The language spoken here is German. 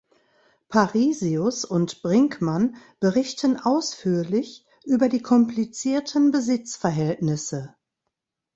Parisius und Brinkmann berichten ausführlich über die komplizierten Besitzverhältnisse.